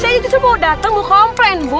saya itu semua dateng mau komplain bu